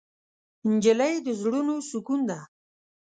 نجلۍ د زړونو سکون ده.